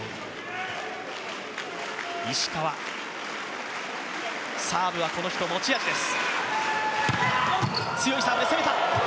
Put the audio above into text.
石川、サーブはこの人の持ち味です。